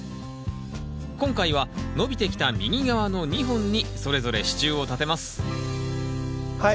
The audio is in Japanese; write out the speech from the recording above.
今回は伸びてきた右側の２本にそれぞれ支柱を立てますはい